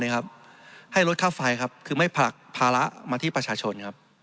ให้ลดค่าไฟคือไม่ผลักภาระมาที่ประชาชน